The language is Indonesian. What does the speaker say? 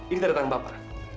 ini tanda tangan bapak